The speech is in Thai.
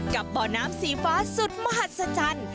กับบ่อน้ำสีฟ้าสุดมหัศจรรย์